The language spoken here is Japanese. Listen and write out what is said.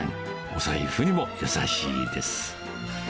お財布にも優しいです。